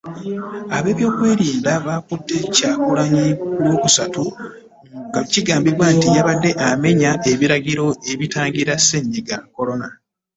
Ab’ebyokwerinda baakutte Kyagulanyi ku Lwokusatu ku bigambibwa nti yabadde amenya ebiragiro ebitangira Ssennyiga Corona